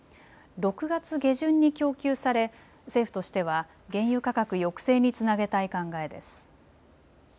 ６月下旬に供給され政府としては原油価格抑制につなげたい考えです。